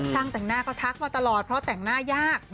แต่งหน้าก็ทักมาตลอดเพราะแต่งหน้ายาก